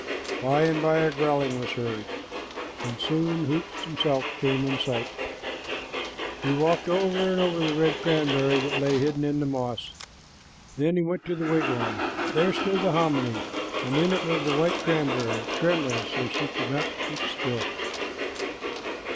By and by a growling was heard, and soon Hoots himself came in sight. He walked over and over the red cranberry that lay hidden in the moss. Then he went to the wigwam. There stood the hominy, and in it was the white cranberry, trembling so she could not keep still.